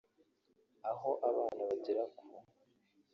aho abana bagera ku